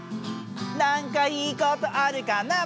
「なんかいいことあるかな」